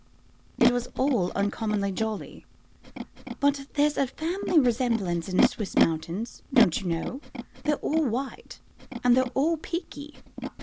"It was all uncommonly jolly. But there's a family resemblance in Swiss mountains, don't you know? They're all white and they're all peaky.